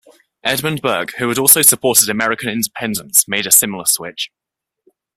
Edmund Burke, who had also supported American Independence, made a similar switch.